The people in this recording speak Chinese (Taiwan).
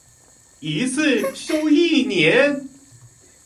一次收一年